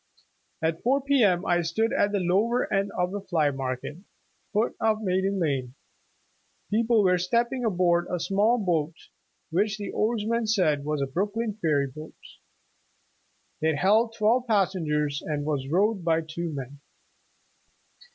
''At four P. M. I stood at the lower end of the Flv Market, foot of Maiden Lane; people were stepping aboard a small boat, which the oarsmen said was the Brooklyn ferry boat. It held twelve passengers, and was rowed by two men.